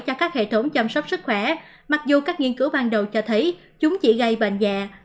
cho các hệ thống chăm sóc sức khỏe mặc dù các nghiên cứu ban đầu cho thấy chúng chỉ gây bệnh dạ